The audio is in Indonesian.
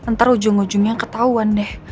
ntar ujung ujungnya ketahuan deh